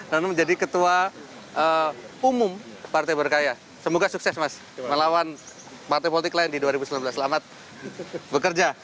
dan menjadi ketua umum partai berkarya semoga sukses mas melawan partai politik lain di dua ribu sembilan belas selamat bekerja